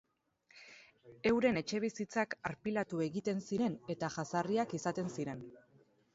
Euren etxebizitzak arpilatu egiten ziren eta jazarriak izaten ziren.